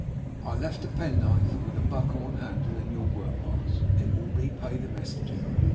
I left a penknife with a buckhorn handle in your work box. It will repay the messenger.